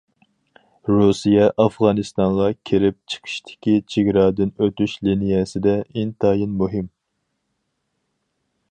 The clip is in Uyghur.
رۇسىيە ئافغانىستانغا كىرىپ- چىقىشتىكى چېگرادىن ئۆتۈش لىنىيەسىدە ئىنتايىن مۇھىم.